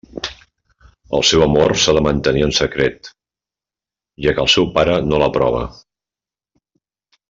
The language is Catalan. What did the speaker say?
El seu amor s'ha de mantenir en secret, ja que el seu pare no l'aprova.